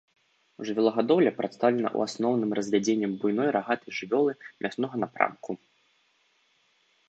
Жывёлагадоўля прадстаўлена ў асноўным развядзеннем буйной рагатай жывёлы мяснога напрамку.